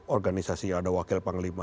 organisasi ada wakil panglima